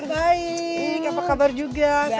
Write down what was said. baik apa kabar juga